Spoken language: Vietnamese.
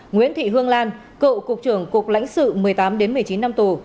nguyễn thị hương lan cựu cục trưởng cục lãnh sự một mươi tám một mươi chín năm tù